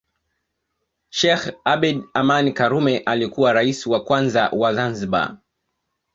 Sheikh Abeid Amani Karume alikuwa Rais wa kwanza wa Zanzibar